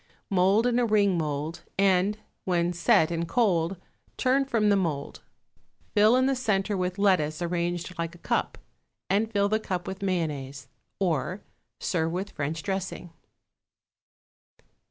Mould in a ring mould, and, when set and cold, turn from the mould; fill in the centre with lettuce arranged like a cup, and fill the cup with mayonnaise. Or, serve with French dressing.